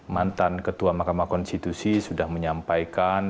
mantan ketua mahkamah konstitusi sudah menyampaikan